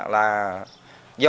là từ những mâu thuẫn